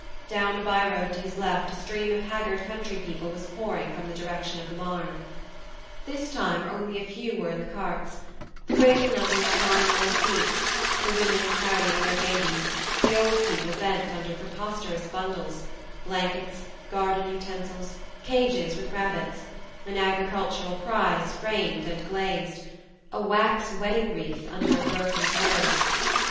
Down a by road to his left a stream of haggard country people was pouring from the direction of the Marne. This time only a few were in the carts : the greater number were flying on their feet, the women carrying their babies, the old people bent under preposterous bundles, blankets, garden utensils, cages with rabbits, an agricultural prize framed and glazed, a wax wedding wreath under a 116 THE MARNE broken globe.